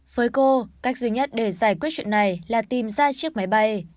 với cô cách duy nhất để giải quyết chuyện này là tìm ra chiếc máy bay